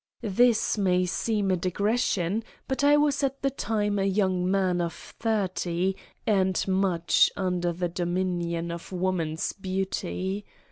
This may seem a digression, but I was at the time a young man of thirty, and much under the dominion of woman's beauty.